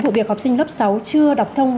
vụ việc học sinh lớp sáu chưa đọc thông